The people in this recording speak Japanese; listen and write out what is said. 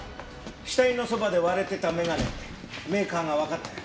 死体のそばで割れてた眼鏡メーカーがわかったよ。